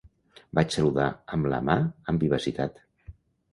Vaig saludar amb la mà amb vivacitat.